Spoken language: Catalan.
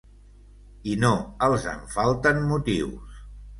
I no els en falten motius.